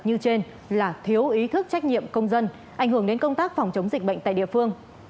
như trên là thiếu ý thức trách nhiệm công dân ảnh hưởng đến công tác phòng chống dịch bệnh tại địa phương